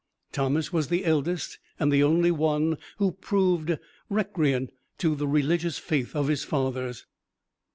Thomas was the eldest and the only one who proved recreant to the religious faith of his fathers.